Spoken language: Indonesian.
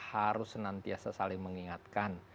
harus nantiasa saling mengingatkan